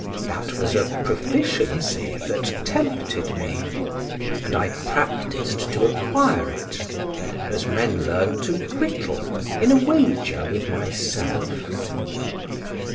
That was a proficiency that tempted me; and I practised to acquire it, as men learn to whittle, in a wager with myself.